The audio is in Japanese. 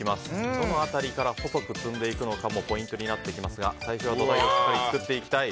どの辺りから細く積んでいくのかもポイントになってきますが最初は土台をゆっくり作っていきたい。